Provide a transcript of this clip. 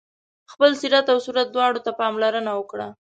خپل سیرت او صورت دواړو ته پاملرنه وکړه.